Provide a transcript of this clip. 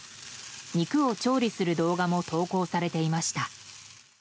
肉を調理する動画も投稿されていました。